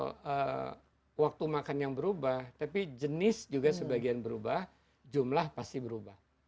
kalau waktu makan yang berubah tapi jenis juga sebagian berubah jumlah pasti berubah